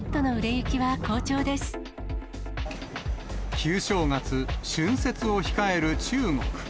旧正月、春節を控える中国。